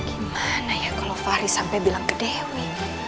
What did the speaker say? gimana ya kalau fahri sampai bilang ke dewi